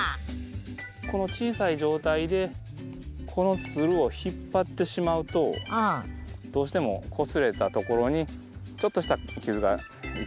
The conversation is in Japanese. この小さい状態でこのつるを引っ張ってしまうとどうしてもこすれたところにちょっとした傷がいっちゃうと。